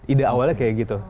ide awalnya kayak gitu